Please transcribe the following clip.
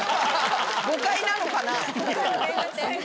誤解なのかな？